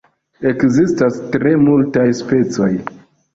Ekzistas tre multaj specoj.